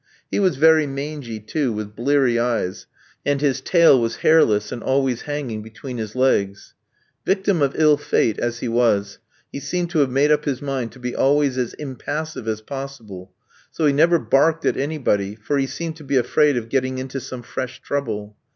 He was very mangy, too, with bleary eyes, and his tail was hairless, and always hanging between his legs. Victim of ill fate as he was, he seemed to have made up his mind to be always as impassive as possible; so he never barked at anybody, for he seemed to be afraid of getting into some fresh trouble.